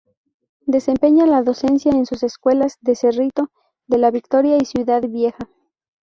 Desempeña la docencia en escuelas de Cerrito de la Victoria y Ciudad Vieja.